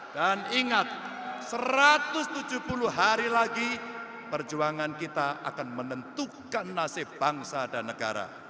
dan ingat satu ratus tujuh puluh hari lagi perjuangan kita akan menentukan nasib bangsa dan negara